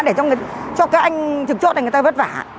để cho các anh thực chốt này người ta vất vả